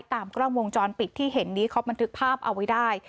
ตามกล้องวงจรปิดที่เห็นนี้เขาบันทึกภาพเอาไว้ได้